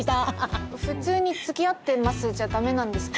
普通につきあってますじゃダメなんですか？